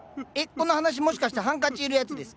この話もしかしてハンカチいるやつですか？